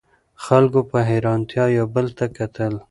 خلکو په حیرانتیا یو بل ته کتل.